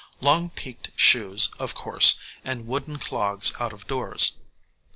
Long peaked shoes, of course, and wooden clogs out of doors.